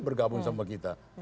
bergabung sama kita